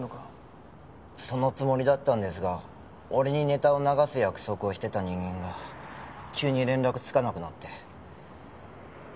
そのつもりだったんですが俺にネタを流す約束をしてた人間が急に連絡つかなくなって。